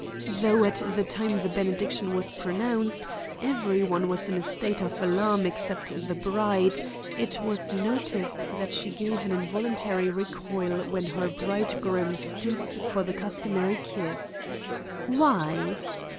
Though at the time the benediction was pronounced every one was in a state of alarm except the bride, it was noticed that she gave an involuntary recoil when her bridegroom stooped for the customary kiss. Why?